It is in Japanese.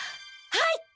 はい！